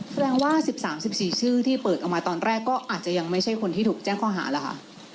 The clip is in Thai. แสดงว่า๑๓๑๔ชื่อที่เปิดออกมาตอนแรกก็อาจจะยังไม่ใช่คนที่ถูกแจ้งข้อหาแล้วค่ะ